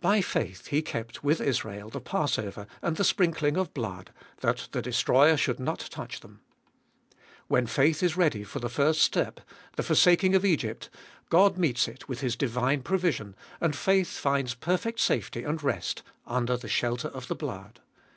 By faith he kept, with Israel, the passover and the sprinkling of blood, that the destroyer should not touch them. When faith is ready for the first step, the forsaking of Gbe •fcoliest of BH 463 Egypt, God meets it with His divine provision, and faith finds perfect safety and rest under the shelter of the blood.